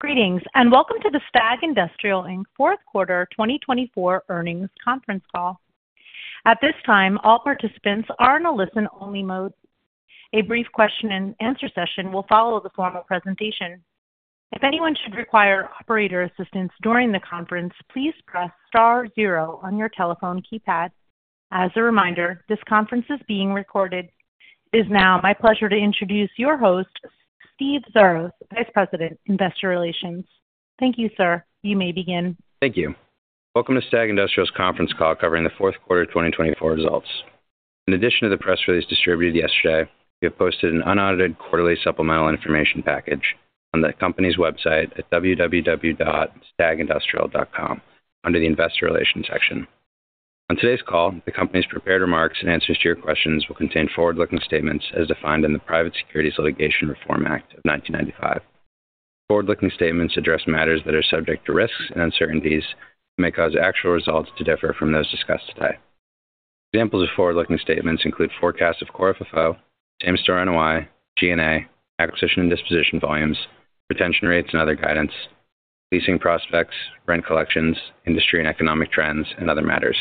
Greetings, and welcome to the STAG Industrial Inc fourth quarter 2024 earnings conference call. At this time, all participants are in a listen-only mode. A brief question-and-answer session will follow the formal presentation. If anyone should require operator assistance during the conference, please press star zero on your telephone keypad. As a reminder, this conference is being recorded. It is now my pleasure to introduce your host, Steve Xiarhos, Vice President, Investor Relations. Thank you, sir. You may begin. Thank you. Welcome to STAG Industrial's conference call covering the fourth quarter 2024 results. In addition to the press release distributed yesterday, we have posted an unaudited quarterly supplemental information package on the company's website at www.stagindustrial.com under the Investor Relations section. On today's call, the company's prepared remarks and answers to your questions will contain forward-looking statements as defined in the Private Securities Litigation Reform Act of 1995. Forward-looking statements address matters that are subject to risks and uncertainties and may cause actual results to differ from those discussed today. Examples of forward-looking statements include forecasts of Core FFO, Same-store NOI, G&A, acquisition and disposition volumes, retention rates, and other guidance, leasing prospects, rent collections, industry and economic trends, and other matters.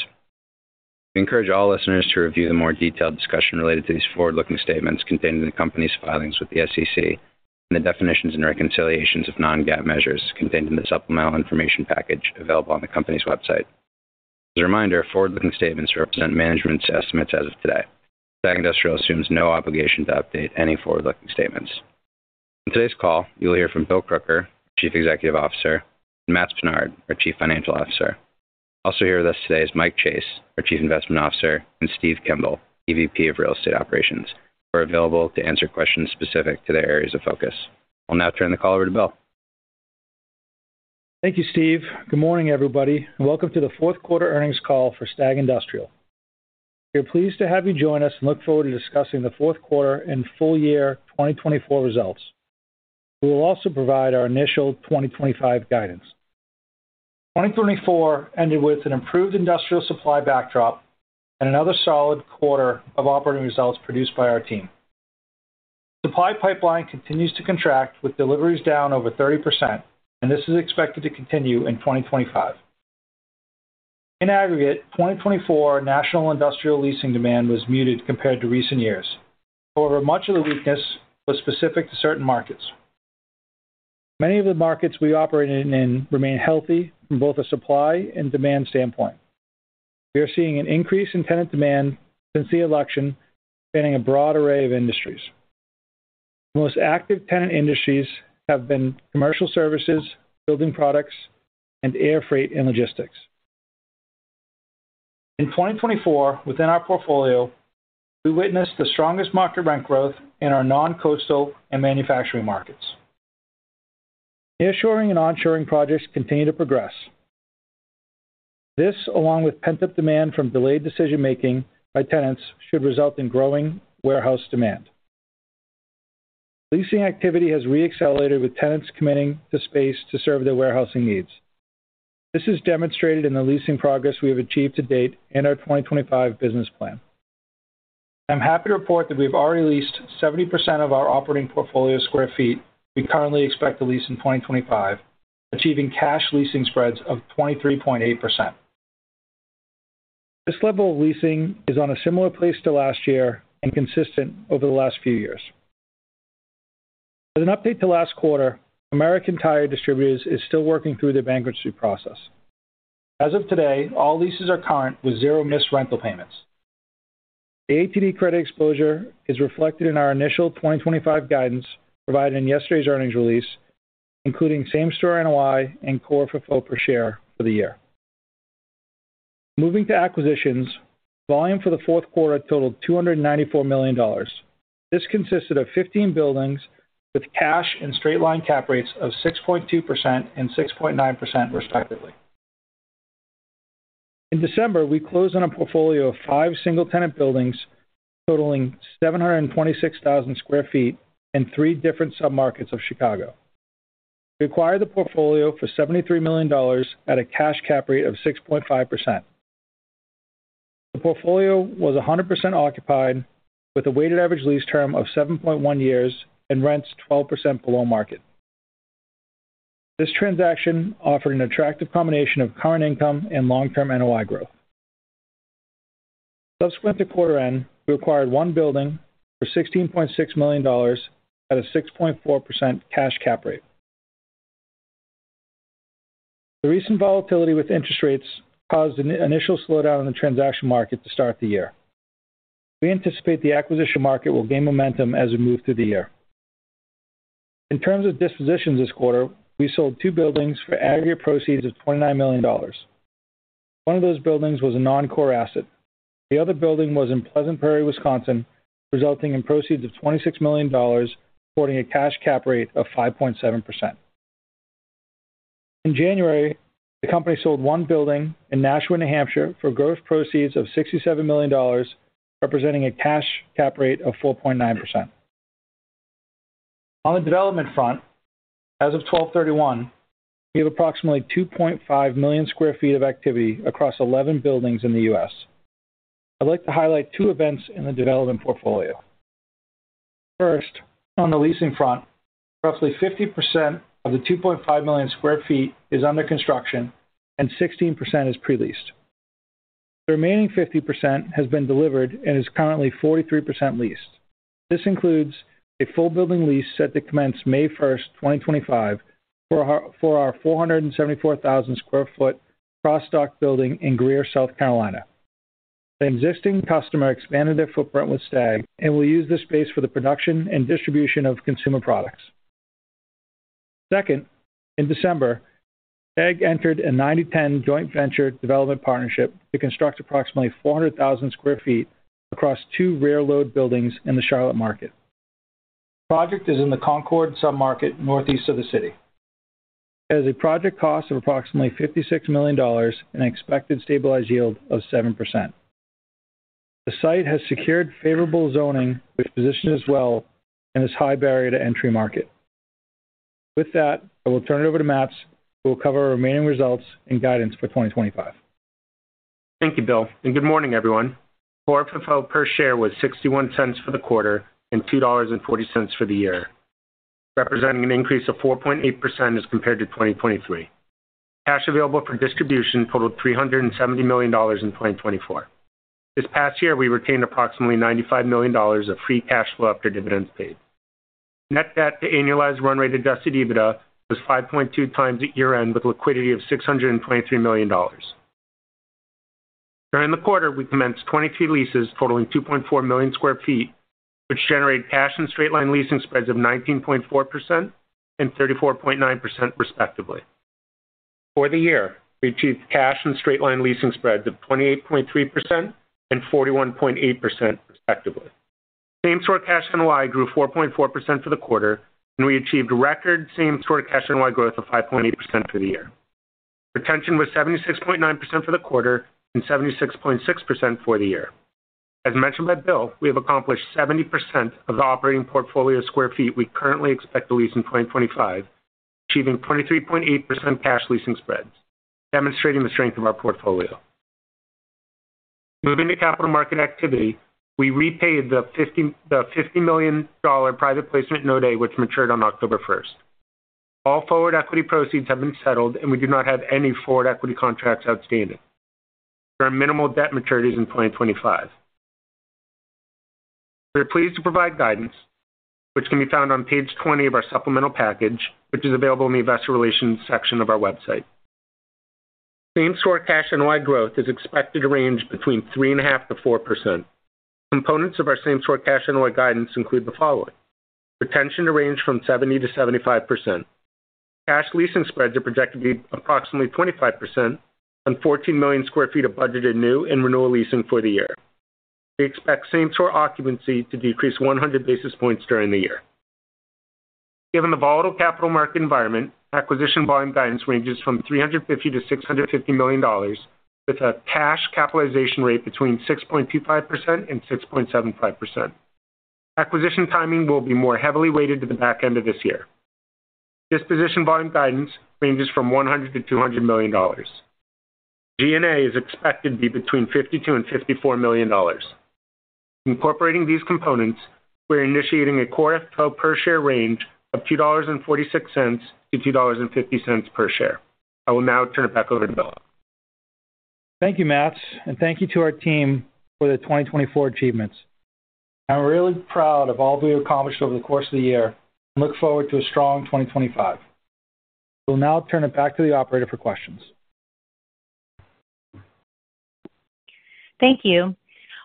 We encourage all listeners to review the more detailed discussion related to these forward-looking statements contained in the company's filings with the SEC and the definitions and reconciliations of non-GAAP measures contained in the supplemental information package available on the company's website. As a reminder, forward-looking statements represent management's estimates as of today. STAG Industrial assumes no obligation to update any forward-looking statements. On today's call, you'll hear from Bill Crooker, our Chief Executive Officer, and Matts Pinard, our Chief Financial Officer. Also here with us today is Mike Chase, our Chief Investment Officer, and Steve Kimball, EVP of Real Estate Operations, who are available to answer questions specific to their areas of focus. I'll now turn the call over to Bill. Thank you, Steve. Good morning, everybody, and welcome to the fourth quarter earnings call for STAG Industrial. We are pleased to have you join us and look forward to discussing the fourth quarter and full-year 2024 results. We will also provide our initial 2025 guidance. 2024 ended with an improved industrial supply backdrop and another solid quarter of operating results produced by our team. Supply pipeline continues to contract, with deliveries down over 30%, and this is expected to continue in 2025. In aggregate, 2024 national industrial leasing demand was muted compared to recent years. However, much of the weakness was specific to certain markets. Many of the markets we operated in remain healthy from both a supply and demand standpoint. We are seeing an increase in tenant demand since the election, spanning a broad array of industries. The most active tenant industries have been commercial services, building products, and air freight and logistics. In 2024, within our portfolio, we witnessed the strongest market rent growth in our non-coastal and manufacturing markets. Nearshoring and onshoring projects continue to progress. This, along with pent-up demand from delayed decision-making by tenants, should result in growing warehouse demand. Leasing activity has re-accelerated, with tenants committing to space to serve their warehousing needs. This is demonstrated in the leasing progress we have achieved to date and our 2025 business plan. I'm happy to report that we have already leased 70% of our operating portfolio sq ft we currently expect to lease in 2025, achieving cash leasing spreads of 23.8%. This level of leasing is on a similar pace to last year and consistent over the last few years. As an update to last quarter, American Tire Distributors is still working through their bankruptcy process. As of today, all leases are current with zero missed rental payments. The ATD credit exposure is reflected in our initial 2025 guidance provided in yesterday's earnings release, including same-store NOI and core FFO per share for the year. Moving to acquisitions, volume for the fourth quarter totaled $294 million. This consisted of 15 buildings with cash and straight-line cap rates of 6.2% and 6.9%, respectively. In December, we closed on a portfolio of five single-tenant buildings totaling 726,000 sq ft in three different sub-markets of Chicago. We acquired the portfolio for $73 million at a cash cap rate of 6.5%. The portfolio was 100% occupied, with a weighted average lease term of 7.1 years and rents 12% below market. This transaction offered an attractive combination of current income and long-term NOI growth. Subsequent to quarter end, we acquired one building for $16.6 million at a 6.4% cash cap rate. The recent volatility with interest rates caused an initial slowdown in the transaction market to start the year. We anticipate the acquisition market will gain momentum as we move through the year. In terms of dispositions this quarter, we sold two buildings for aggregate proceeds of $29 million. One of those buildings was a non-core asset. The other building was in Pleasant Prairie, Wisconsin, resulting in proceeds of $26 million, reporting a cash cap rate of 5.7%. In January, the company sold one building in Nashua, New Hampshire, for gross proceeds of $67 million, representing a cash cap rate of 4.9%. On the development front, as of December 31st, we have approximately 2.5 million sq ft of activity across 11 buildings in the U.S. I'd like to highlight two events in the development portfolio. First, on the leasing front, roughly 50% of the 2.5 million sq ft is under construction and 16% is pre-leased. The remaining 50% has been delivered and is currently 43% leased. This includes a full building lease set to commence May 1st, 2025, for our 474,000 sq ft cross-dock building in Greer, South Carolina. The existing customer expanded their footprint with STAG and will use this space for the production and distribution of consumer products. Second, in December, STAG entered a 90/10 joint venture development partnership to construct approximately 400,000 sq ft across two rear load buildings in the Charlotte market. The project is in the Concord sub-market northeast of the city. It has a project cost of approximately $56 million and an expected stabilized yield of 7%. The site has secured favorable zoning, which positions it well in this high barrier-to-entry market. With that, I will turn it over to Matts, who will cover our remaining results and guidance for 2025. Thank you, Bill, and good morning, everyone. Core FFO per share was $0.61 for the quarter and $2.40 for the year, representing an increase of 4.8% as compared to 2023. Cash available for distribution totaled $370 million in 2024. This past year, we retained approximately $95 million of free cash flow after dividends paid. Net debt to annualized run rate adjusted EBITDA was 5.2x at year-end, with a liquidity of $623 million. During the quarter, we commenced 23 leases totaling 2.4 million sq ft, which generated cash and straight-line leasing spreads of 19.4% and 34.9%, respectively. For the year, we achieved cash and straight-line leasing spreads of 28.3% and 41.8%, respectively. Same-store cash NOI grew 4.4% for the quarter, and we achieved record same-store cash NOI growth of 5.8% for the year. Retention was 76.9% for the quarter and 76.6% for the year. As mentioned by Bill, we have accomplished 70% of the operating portfolio square feet we currently expect to lease in 2025, achieving 23.8% cash leasing spreads, demonstrating the strength of our portfolio. Moving to capital market activity, we repaid the $50 million private placement Note A, which matured on October 1st. All forward equity proceeds have been settled, and we do not have any forward equity contracts outstanding. There are minimal debt maturities in 2025. We're pleased to provide guidance, which can be found on page 20 of our supplemental package, which is available in the Investor Relations section of our website. Same-store cash NOI growth is expected to range between 3.5%-4%. Components of our same-store cash NOI guidance include the following: retention to range from 70%-75%. Cash leasing spreads are projected to be approximately 25% on 14 million sq ft of budgeted new and renewal leasing for the year. We expect same-store occupancy to decrease 100 basis points during the year. Given the volatile capital market environment, acquisition volume guidance ranges from $350 million-$650 million, with a cash capitalization rate between 6.25% and 6.75%. Acquisition timing will be more heavily weighted to the back end of this year. Disposition volume guidance ranges from $100 million-$200 million. G&A is expected to be between $52 million and $54 million. Incorporating these components, we're initiating a core FFO per share range of $2.46-$2.50 per share. I will now turn it back over to Bill. Thank you, Matts, and thank you to our team for the 2024 achievements. I'm really proud of all we've accomplished over the course of the year and look forward to a strong 2025. We'll now turn it back to the operator for questions. Thank you.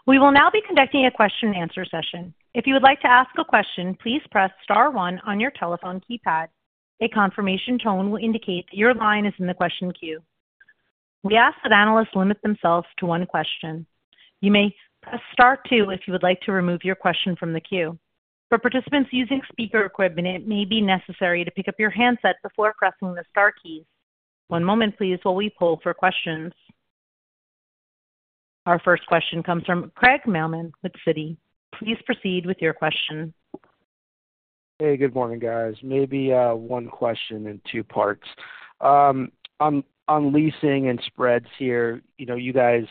We will now be conducting a question-and-answer session. If you would like to ask a question, please press star one on your telephone keypad. A confirmation tone will indicate that your line is in the question queue. We ask that analysts limit themselves to one question. You may press star two if you would like to remove your question from the queue. For participants using speaker equipment, it may be necessary to pick up your handset before pressing the star keys. One moment, please, while we pull for questions. Our first question comes from Craig Mailman with Citi. Please proceed with your question. Hey, good morning, guys. Maybe one question in two parts. On leasing and spreads here, you guys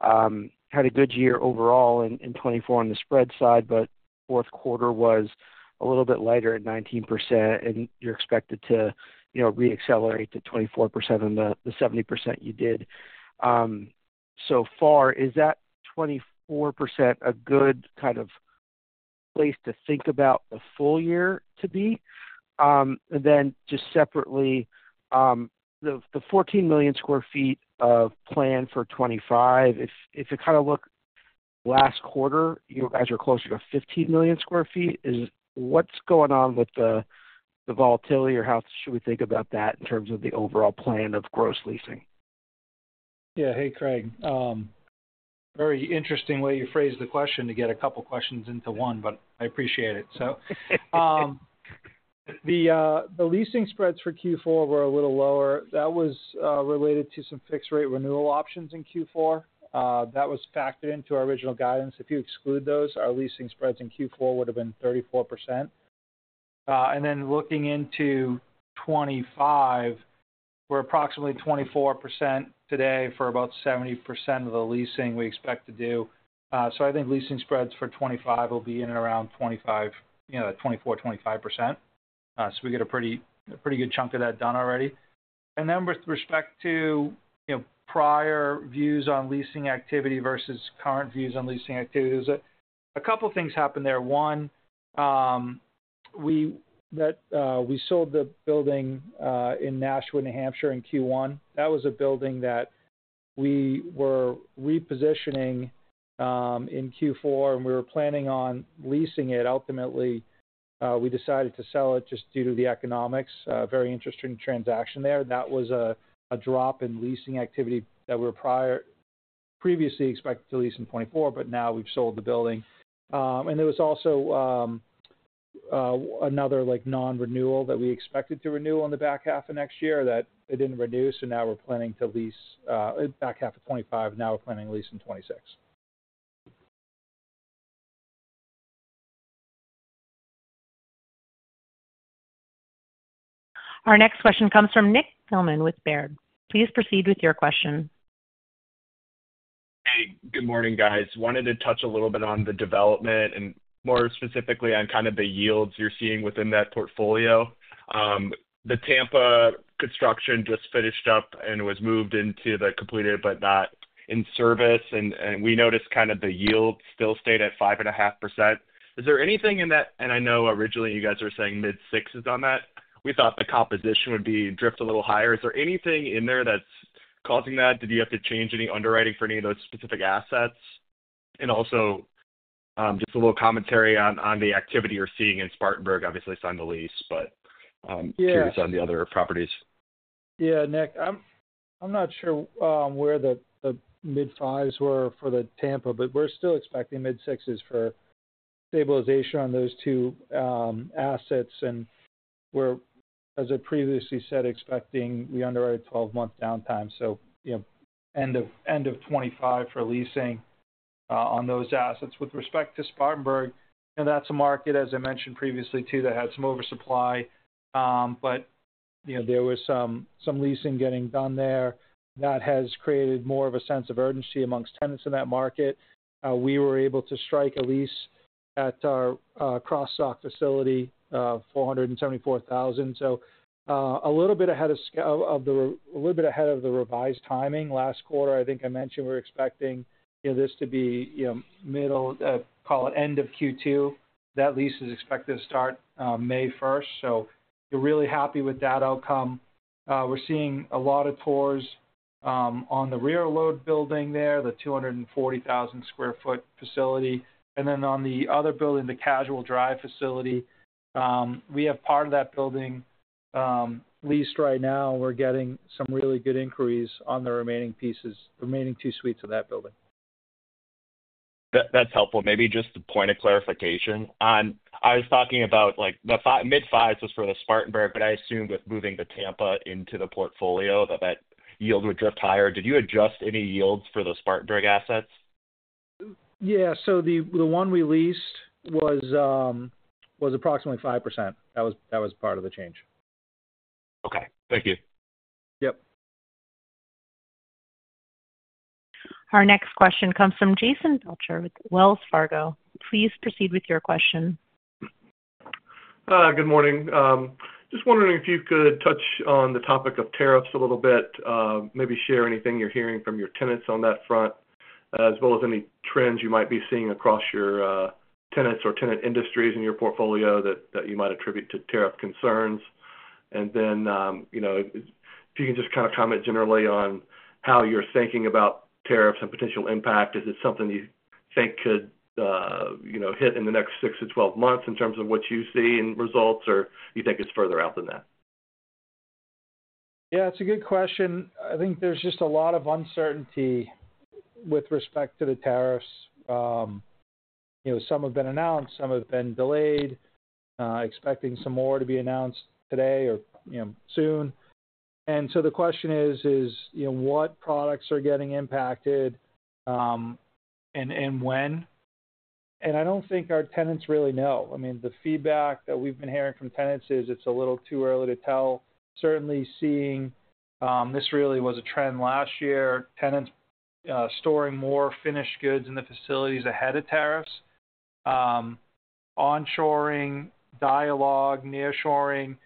had a good year overall in 2024 on the spread side, but the fourth quarter was a little bit lighter at 19%, and you're expected to re-accelerate to 24% on the 70% you did so far. Is that 24% a good kind of place to think about the full year to be? And then just separately, the 14 million sq ft plan for 2025, if it kind of looked last quarter, you guys were closer to 15 million sq ft. What's going on with the volatility, or how should we think about that in terms of the overall plan of gross leasing? Yeah. Hey, Craig. Very interesting way you phrased the question to get a couple of questions into one, but I appreciate it. So the leasing spreads for Q4 were a little lower. That was related to some fixed-rate renewal options in Q4. That was factored into our original guidance. If you exclude those, our leasing spreads in Q4 would have been 34%. And then looking into 2025, we're approximately 24% today for about 70% of the leasing we expect to do. So I think leasing spreads for 2025 will be in and around 25%, 24%-25%. So we get a pretty good chunk of that done already. And then with respect to prior views on leasing activity versus current views on leasing activity, a couple of things happened there. One, we sold the building in Nashua, New Hampshire in Q1. That was a building that we were repositioning in Q4, and we were planning on leasing it. Ultimately, we decided to sell it just due to the economics. Very interesting transaction there. That was a drop in leasing activity that we were previously expected to lease in 2024, but now we've sold the building, and there was also another non-renewal that we expected to renew on the back half of next year that they didn't renew, and now we're planning to lease back half of 2025, and now we're planning to lease in 2026. Our next question comes from Nick Thillman with Baird. Please proceed with your question. Hey, good morning, guys. Wanted to touch a little bit on the development and more specifically on kind of the yields you're seeing within that portfolio. The Tampa construction just finished up and was moved into the completed but not in service, and we noticed kind of the yield still stayed at 5.5%. Is there anything in that, and I know originally you guys were saying mid-sixes on that, we thought the composition would be drift a little higher. Is there anything in there that's causing that? Did you have to change any underwriting for any of those specific assets? And also just a little commentary on the activity you're seeing in Spartanburg, obviously signed the lease, but curious on the other properties. Yeah, Nick, I'm not sure where the mid-fives were for the Tampa, but we're still expecting mid-sixes for stabilization on those two assets. We're, as I previously said, expecting we underwrite a 12-month downtime, so end of 2025 for leasing on those assets. With respect to Spartanburg, that's a market, as I mentioned previously, too, that had some oversupply, but there was some leasing getting done there. That has created more of a sense of urgency amongst tenants in that market. We were able to strike a lease at our cross-dock facility, 474,000. So a little bit ahead of the revised timing. Last quarter, I think I mentioned we're expecting this to be middle, call it end of Q2. That lease is expected to start May 1st. So we're really happy with that outcome. We're seeing a lot of tours on the rear load building there, the 240,000 sq ft facility. And then on the other building, the Casual Drive facility, we have part of that building leased right now. We're getting some really good inquiries on the remaining pieces, remaining two suites of that building. That's helpful. Maybe just a point of clarification. I was talking about the mid-fives was for the Spartanburg, but I assumed with moving the Tampa into the portfolio that that yield would drift higher. Did you adjust any yields for the Spartanburg assets? Yeah. So the one we leased was approximately 5%. That was part of the change. Okay. Thank you. Yep. Our next question comes from Jason Belcher with Wells Fargo. Please proceed with your question. Good morning. Just wondering if you could touch on the topic of tariffs a little bit, maybe share anything you're hearing from your tenants on that front, as well as any trends you might be seeing across your tenants or tenant industries in your portfolio that you might attribute to tariff concerns, and then if you can just kind of comment generally on how you're thinking about tariffs and potential impact. Is it something you think could hit in the next six to 12 months in terms of what you see in results, or do you think it's further out than that? Yeah, it's a good question. I think there's just a lot of uncertainty with respect to the tariffs. Some have been announced, some have been delayed, expecting some more to be announced today or soon. And so the question is, what products are getting impacted and when? And I don't think our tenants really know. I mean, the feedback that we've been hearing from tenants is it's a little too early to tell. Certainly seeing this really was a trend last year, tenants storing more finished goods in the facilities ahead of tariffs, onshoring, dialogue, nearshoring,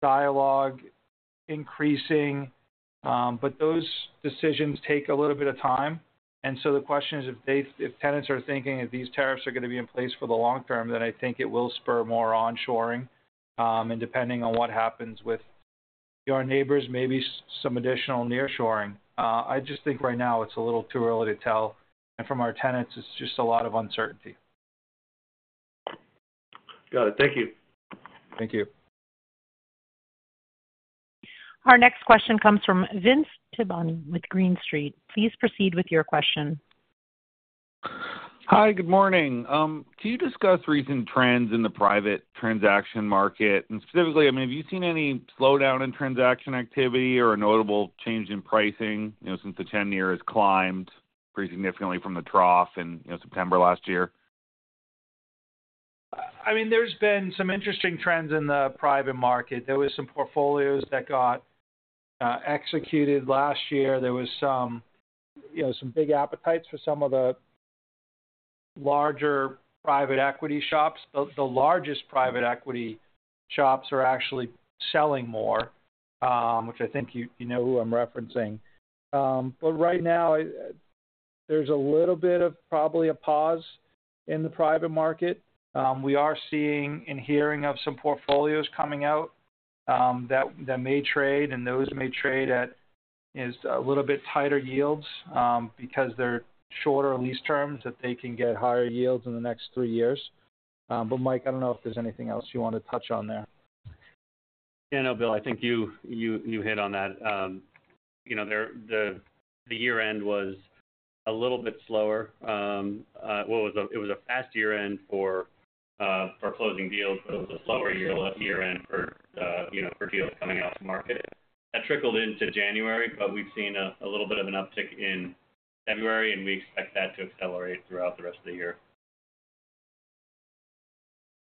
dialogue increasing. But those decisions take a little bit of time. And so the question is, if tenants are thinking if these tariffs are going to be in place for the long term, then I think it will spur more onshoring. And depending on what happens with your neighbors, maybe some additional nearshoring. I just think right now it's a little too early to tell, and from our tenants, it's just a lot of uncertainty. Got it. Thank you. Thank you. Our next question comes from Vince Tibone with Green Street. Please proceed with your question. Hi, good morning. Can you discuss recent trends in the private transaction market? And specifically, I mean, have you seen any slowdown in transaction activity or a notable change in pricing since the 10-year climbed pretty significantly from the trough in September last year? I mean, there's been some interesting trends in the private market. There were some portfolios that got executed last year. There were some big appetites for some of the larger private equity shops. The largest private equity shops are actually selling more, which I think you know who I'm referencing. But right now, there's a little bit of probably a pause in the private market. We are seeing and hearing of some portfolios coming out that may trade, and those may trade at a little bit tighter yields because they're shorter lease terms that they can get higher yields in the next three years. But Mike, I don't know if there's anything else you want to touch on there. Yeah, no, Bill, I think you hit on that. The year-end was a little bit slower. It was a fast year-end for closing deals, but it was a slower year-end for deals coming out to market. That trickled into January, but we've seen a little bit of an uptick in February, and we expect that to accelerate throughout the rest of the year.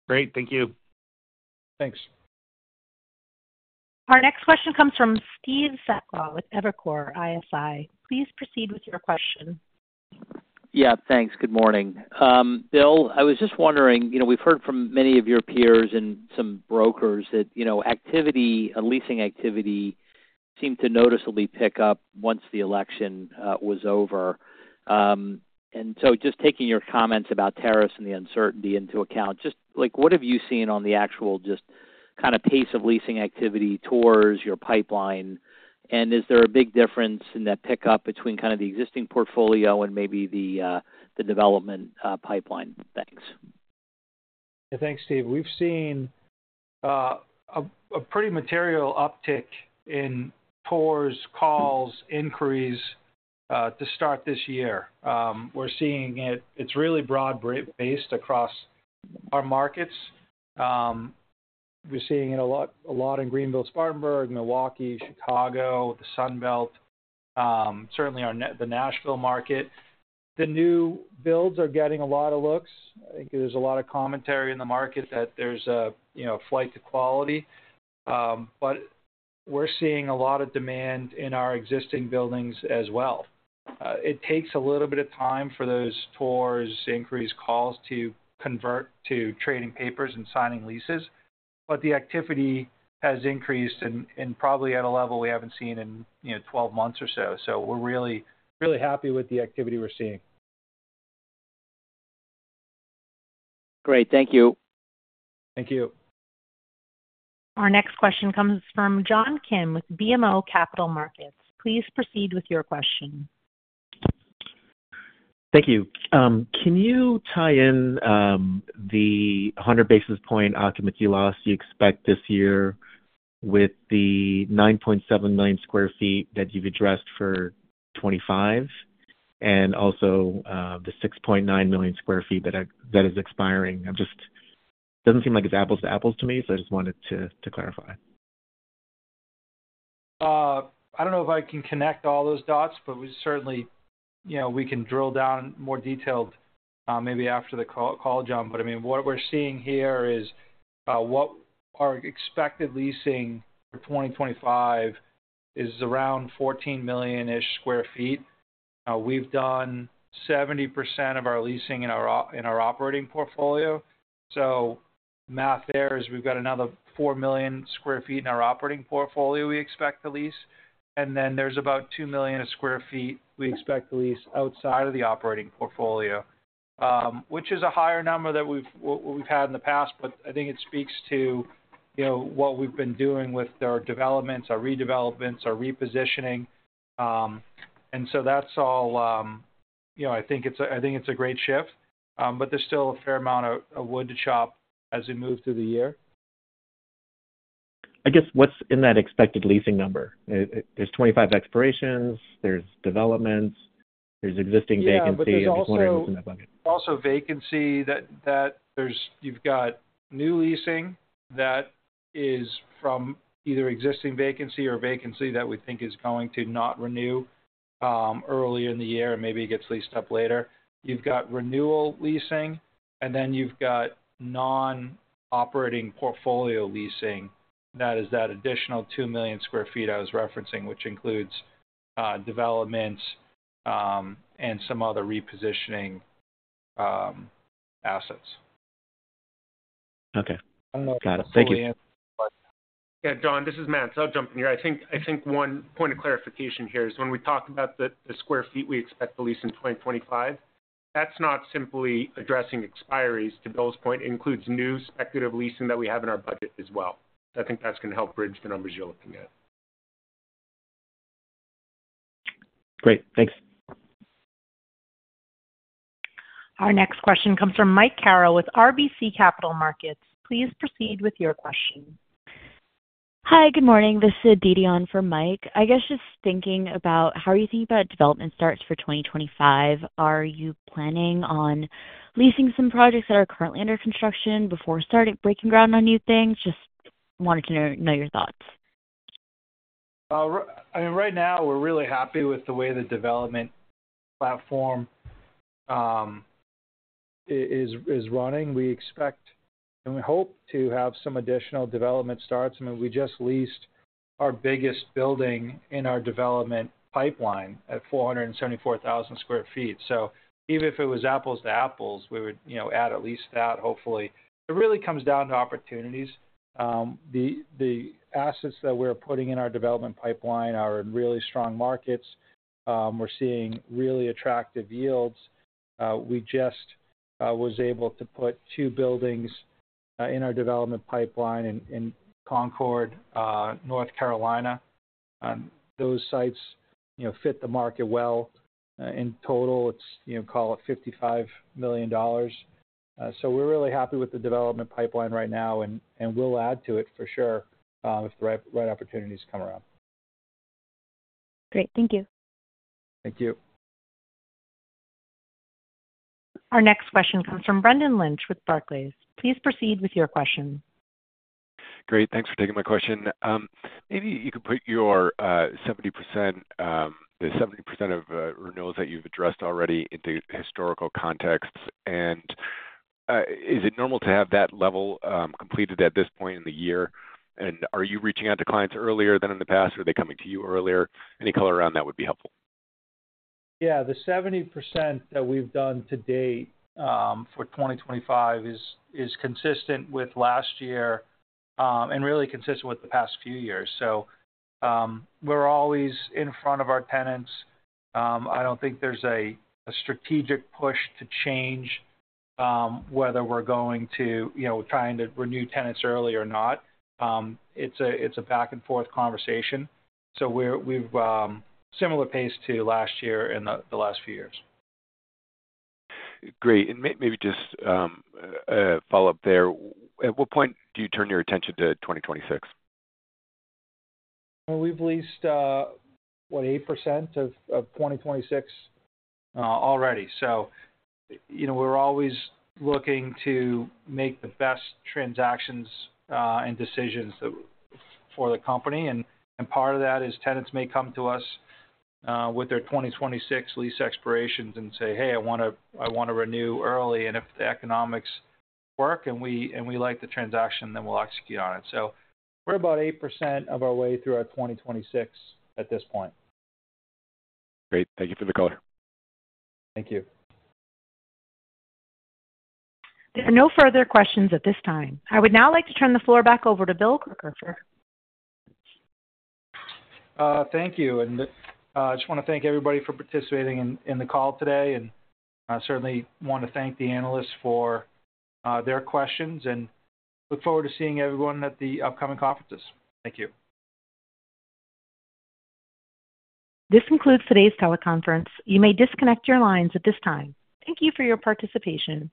Great. Thank you. Thanks. Our next question comes from Steve Sakwa with Evercore ISI. Please proceed with your question. Yeah, thanks. Good morning. Bill, I was just wondering, we've heard from many of your peers and some brokers that leasing activity seemed to noticeably pick up once the election was over. And so just taking your comments about tariffs and the uncertainty into account, just what have you seen on the actual just kind of pace of leasing activity, tours, your pipeline? And is there a big difference in that pickup between kind of the existing portfolio and maybe the development pipeline? Thanks. Yeah, thanks, Steve. We've seen a pretty material uptick in tours, calls, inquiries to start this year. We're seeing it. It's really broad-based across our markets. We're seeing it a lot in Greenville, Spartanburg, Milwaukee, Chicago, the Sunbelt, certainly the Nashville market. The new builds are getting a lot of looks. I think there's a lot of commentary in the market that there's a flight to quality. But we're seeing a lot of demand in our existing buildings as well. It takes a little bit of time for those tours, inquiries, calls to convert to trading papers and signing leases. But the activity has increased and probably at a level we haven't seen in 12 months or so. So we're really, really happy with the activity we're seeing. Great. Thank you. Thank you. Our next question comes from John Kim with BMO Capital Markets. Please proceed with your question. Thank you. Can you tie in the 100 basis points occupancy loss you expect this year with the 9.7 million sq ft that you've addressed for 2025 and also the 6.9 million sq ft that is expiring? It doesn't seem like it's apples to apples to me, so I just wanted to clarify. I don't know if I can connect all those dots, but certainly we can drill down more detailed maybe after the call, John. But I mean, what we're seeing here is what our expected leasing for 2025 is around 14 million-ish sq ft. We've done 70% of our leasing in our operating portfolio. So math there is we've got another 4 million sq ft in our operating portfolio we expect to lease. And then there's about 2 million sq ft we expect to lease outside of the operating portfolio, which is a higher number than we've had in the past, but I think it speaks to what we've been doing with our developments, our redevelopments, our repositioning. And so that's all I think it's a great shift, but there's still a fair amount of wood to chop as we move through the year. I guess what's in that expected leasing number? There's 25 expirations, there's developments, there's existing vacancy. I'm just wondering what's in that bucket. Also, vacancy. You've got new leasing that is from either existing vacancy or vacancy that we think is going to not renew earlier in the year and maybe gets leased up later. You've got renewal leasing, and then you've got non-operating portfolio leasing. That is that additional 2 million sq ft I was referencing, which includes developments and some other repositioning assets. Okay. Got it. Thank you. Yeah, John, this is Matts. So I'll jump in here. I think one point of clarification here is when we talk about the square feet we expect to lease in 2025, that's not simply addressing expiries. To Bill's point, it includes new speculative leasing that we have in our budget as well. So I think that's going to help bridge the numbers you're looking at. Great. Thanks. Our next question comes from Mike Carroll with RBC Capital Markets. Please proceed with your question. Hi, good morning. This is Vidhi for Mike. I guess just thinking about how are you thinking about development starts for 2025? Are you planning on leasing some projects that are currently under construction before starting breaking ground on new things? Just wanted to know your thoughts. I mean, right now, we're really happy with the way the development platform is running. We expect and we hope to have some additional development starts. I mean, we just leased our biggest building in our development pipeline at 474,000 sq ft. So even if it was apples to apples, we would add at least that, hopefully. It really comes down to opportunities. The assets that we're putting in our development pipeline are in really strong markets. We're seeing really attractive yields. We just was able to put two buildings in our development pipeline in Concord, North Carolina. Those sites fit the market well. In total, it's call it $55 million. So we're really happy with the development pipeline right now, and we'll add to it for sure if the right opportunities come around. Great. Thank you. Thank you. Our next question comes from Brendan Lynch with Barclays. Please proceed with your question. Great. Thanks for taking my question. Maybe you could put your 70% of renewals that you've addressed already into historical context. And is it normal to have that level completed at this point in the year? And are you reaching out to clients earlier than in the past? Are they coming to you earlier? Any color around that would be helpful. Yeah. The 70% that we've done to date for 2025 is consistent with last year and really consistent with the past few years. So we're always in front of our tenants. I don't think there's a strategic push to change whether we're going to trying to renew tenants early or not. It's a back-and-forth conversation. So we're similar pace to last year and the last few years. Great. And maybe just a follow-up there. At what point do you turn your attention to 2026? We've leased, what, 8% of 2026 already, so we're always looking to make the best transactions and decisions for the company. And part of that is tenants may come to us with their 2026 lease expirations and say, "Hey, I want to renew early." And if the economics work and we like the transaction, then we'll execute on it, so we're about 8% of our way through our 2026 at this point. Great. Thank you for the color. Thank you. There are no further questions at this time. I would now like to turn the floor back over to Bill Crooker. Thank you. And I just want to thank everybody for participating in the call today. And I certainly want to thank the analysts for their questions and look forward to seeing everyone at the upcoming conferences. Thank you. This concludes today's teleconference. You may disconnect your lines at this time. Thank you for your participation.